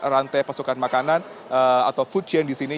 rantai pasokan makanan atau food chain di sini